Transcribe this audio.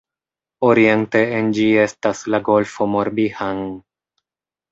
Oriente en ĝi estas la Golfo Morbihan.